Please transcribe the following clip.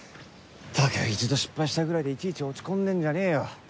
ったく一度失敗したぐらいでいちいち落ち込んでんじゃねえよ。